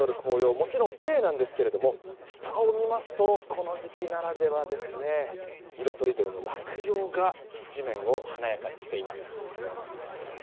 もちろんきれいなんですが下を見ますとこの時期ならではですね色とりどりの落葉が地面を華やかにしています。